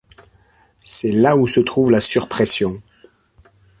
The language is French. C'est là où se trouve la surpression.